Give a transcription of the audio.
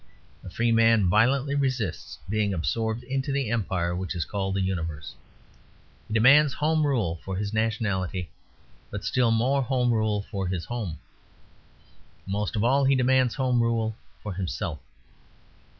The free man violently resists being absorbed into the empire which is called the Universe. He demands Home Rule for his nationality, but still more Home Rule for his home. Most of all he demands Home Rule for himself.